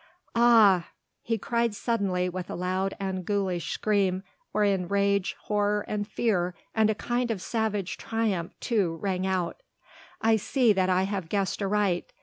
Ah!" he cried suddenly with a loud and ghoulish scream wherein rage, horror and fear and a kind of savage triumph too rang out, "I see that I have guessed aright.